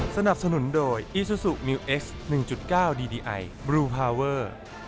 สนับสนุนโดยอีซูซูมิวเอ็กซ์๑๙ดีดีไอบลูพาเวอร์